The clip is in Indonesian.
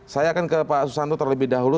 saya akan ke pak susanto terlebih dahulu